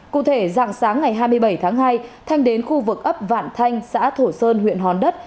cụ thể dạng sáng ngày hai mươi bảy tháng hai thanh đến khu vực ấp vạn thanh xã thổ sơn huyện hòn đất